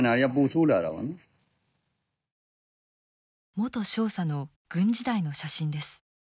元少佐の軍時代の写真です。